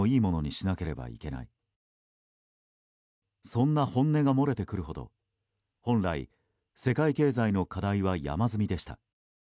そんな本音が漏れてくるほど本来、世界経済の課題は山積みでした。